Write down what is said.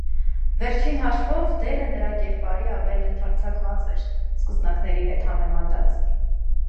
Վերջին հաշվով դերը նրա կերպարի ավել ընդարձակված էր, սկսնակների հետ համեմատած։